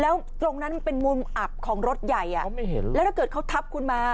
แล้วตรงนั้นมันเป็นมุมอับของรถใหญ่แล้วถ้าเกิดเขาทับคุณมา